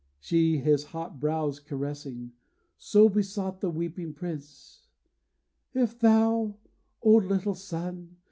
She, his hot brows caressing, so besought The weeping prince: 'If thou, O little son!